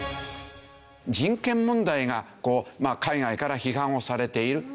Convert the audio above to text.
人権問題が海外から批判をされているというんですね。